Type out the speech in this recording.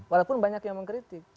walaupun banyak yang mengkritik